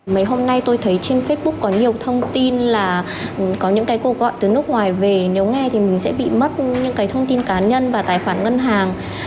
mấy hôm nay tôi thấy trên facebook có nhiều thông tin là có những cái cuộc gọi từ nước ngoài về nếu nghe thì mình sẽ bị mất những cái thông tin cá nhân và tài khoản ngân hàng